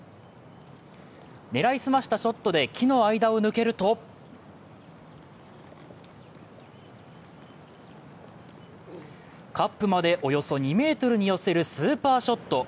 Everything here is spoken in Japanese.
狙い澄ましたショットで木の間を抜けるとカップまでおよそ２ｍに寄せるスーパーショット。